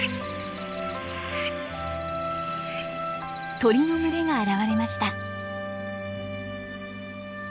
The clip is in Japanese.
鳥の群れが現れました。